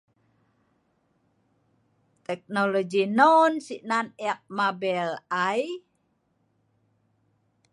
Teknologi non sik nan eek mabel ai.